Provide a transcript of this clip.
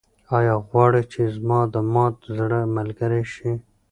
ایا غواړې چې زما د مات زړه ملګرې شې؟